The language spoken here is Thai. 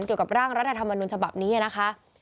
เกี่ยวกับร่างรัฐธรรมนุนฉบับนี้นะคะ